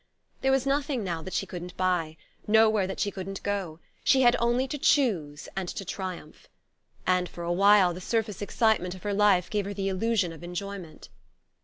There was nothing, now, that she couldn't buy, nowhere that she couldn't go: she had only to choose and to triumph. And for a while the surface excitement of her life gave her the illusion of enjoyment.